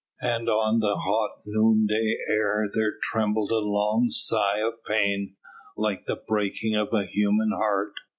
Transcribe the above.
And on the hot noonday air there trembled a long sigh of pain, like the breaking of a human heart.